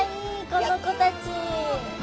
この子たち！